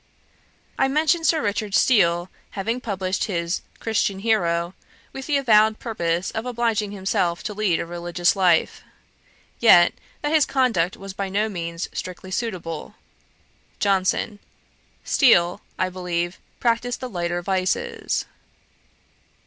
I mentioned Sir Richard Steele having published his Christian Hero, with the avowed purpose of obliging himself to lead a religious life, yet, that his conduct was by no means strictly suitable. JOHNSON. 'Steele, I believe, practised the lighter vices.'